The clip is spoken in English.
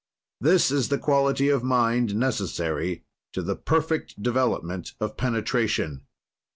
This is the quality of mind necessary to the perfect development of penetration.